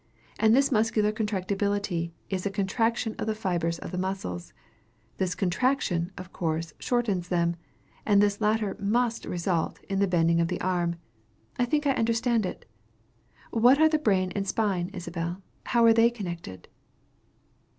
And this muscular contractibility is a contraction of the fibres of the muscles. This contraction, of course, shortens them, and this latter must result in the bending of the arm. I think I understand it. What are the brain and spine, Isabel? How are they connected?